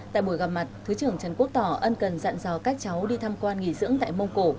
tại buổi gặp mặt thứ trưởng trần quốc tỏ ân cần dặn dò các cháu đi tham quan nghỉ dưỡng tại mông cổ